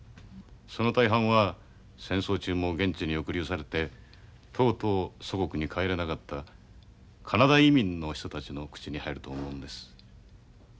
その大半は戦争中も現地に抑留されてとうとう祖国に帰れなかったカナダ移民の人たちの口に入ると思うんです。